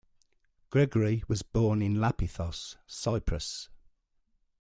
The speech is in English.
Gregory was born in Lapithos, Cyprus.